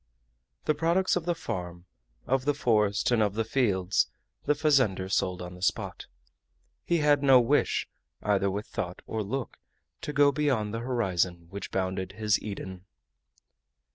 The products of the farm, of the forest, and of the fields, the fazender sold on the spot. He had no wish, either with thought or look, to go beyond the horizon which bounded his Eden.